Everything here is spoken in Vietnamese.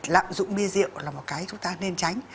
lạm dụng bia rượu là một cái chúng ta nên tránh